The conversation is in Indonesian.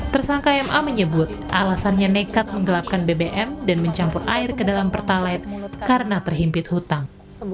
tersangka ma menyebut alasannya nekat menggelapkan bbm dan mencampur air ke dalam pertalet karena terhimpit hutang